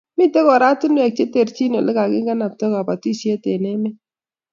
Mitei oratinwek che terchin Ole kikanabtai kobotisiet eng emet